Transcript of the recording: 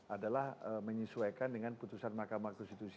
adalah menyesuaikan dengan putusan mahkamah konstitusi